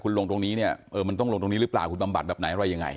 คุณลงตรงนี้เนี่ยเออมันต้องลงตรงนี้หรือเปล่าคุณบำบัดแบบไหนอะไรยังไง